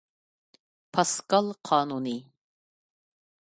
پاسكال قانۇنى